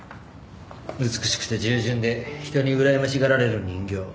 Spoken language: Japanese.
美しくて従順で人にうらやましがられる人形。